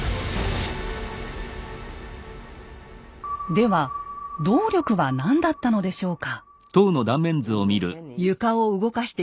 では動力は何だったのでしょうか？